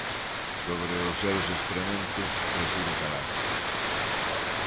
Sobre os seus excrementos prefiro calar.